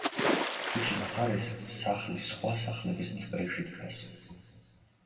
ქუჩის მხარეს სახლი სხვა სახლების მწკრივში დგას.